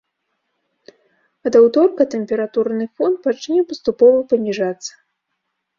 Ад аўторка тэмпературны фон пачне паступова паніжацца.